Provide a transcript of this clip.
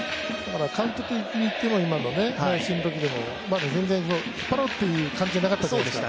カウント的にいっても、今のところでもまだ全然引っ張ろうっていう感じじゃなかったじゃないですか。